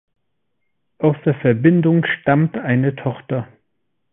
Aus der Verbindung stammt eine Tochter.